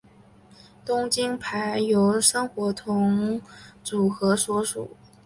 东京俳优生活协同组合所属。